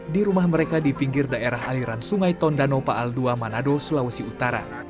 di rumah mereka di pinggir daerah aliran sungai tondano paal ii manado sulawesi utara